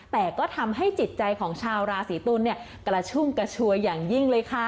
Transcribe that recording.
แต่ก็ทำให้จิตใจของชาวราศีตุลกระชุ่มกระชวยอย่างยิ่งเลยค่ะ